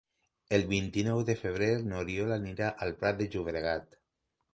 El vint-i-nou de febrer n'Oriol anirà al Prat de Llobregat.